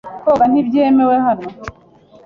Koga ntibyemewe hano .